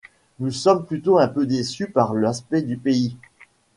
Nous sommes plutôt un peu déçus par l’aspect du pays.